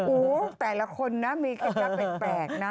อู้แต่ละคนน่ะมีเคล็ดแปลกน่ะ